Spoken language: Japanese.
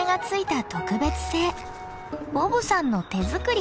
ボブさんの手作り。